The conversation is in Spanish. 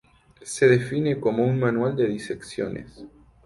Se define como un manual de disecciones.